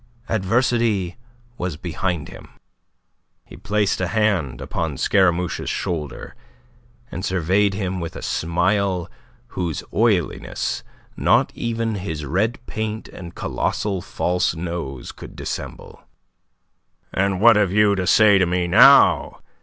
Adversity was behind him. He placed a hand upon Scaramouche's shoulder, and surveyed him with a smile whose oiliness not even his red paint and colossal false nose could dissemble. "And what have you to say to me now?"